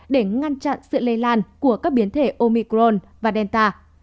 để ngăn chặn sự lây lan của các biến thể omicron và delta